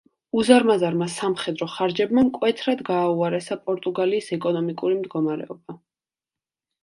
უზარმაზარმა სამხედრო ხარჯებმა მკვეთრად გააუარესა პორტუგალიის ეკონომიკური მდგომარეობა.